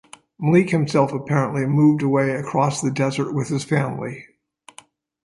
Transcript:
Malik himself apparently moved away across the desert with his family.